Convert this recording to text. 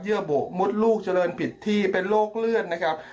ื่อบุดลูกเจริญผิดที่เป็นโรคเลือดนะครับ